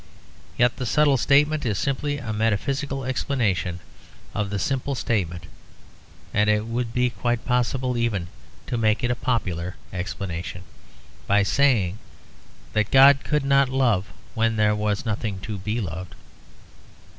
Yet the subtle statement is simply a metaphysical explanation of the simple statement; and it would be quite possible even to make it a popular explanation, by saying that God could not love when there was nothing to be loved.